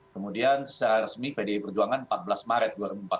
kemudian secara resmi pdi perjuangan empat belas maret